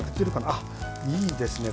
いいですね。